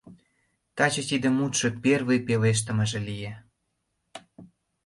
Таче тиде мутшо первый пелештымыже лие.